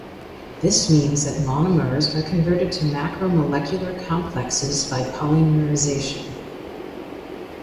This means that monomers are converted to macromolecular complexes by polymerization.